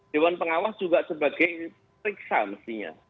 dewan pengawas juga sebagai periksa mestinya